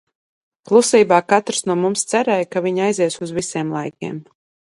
Klusībā katrs no mums cerēja, ka viņi aizies uz visiem laikiem.